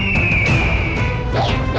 mana dia mana dia